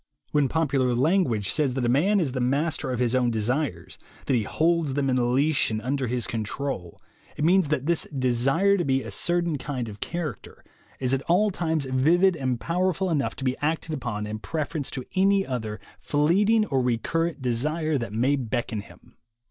When popular language says that a man is the master of his own desires, that he holds them in leash and under his control, it means that this desire to be a certain kind of character is at all times vivid and powerful enough to be acted upon in prefer ence to any other fleeting or recurrent desire that may beckon him.